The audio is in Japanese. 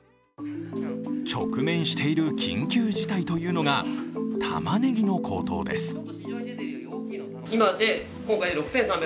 直面している緊急事態というのがたまねぎの高騰です。